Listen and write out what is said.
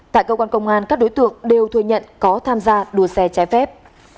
tại cơ quan công an các đối tượng đều thừa nhận có tham gia đua xe trái phép